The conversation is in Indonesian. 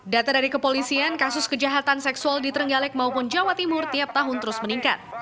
data dari kepolisian kasus kejahatan seksual di trenggalek maupun jawa timur tiap tahun terus meningkat